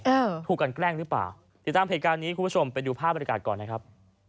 เอ้อถูกกันแกล้งหรือเปล่าติดตามคลิปข้างในครับที่คุณผู้ชมไปดูภาพบรรยากาศก่อนนะครับ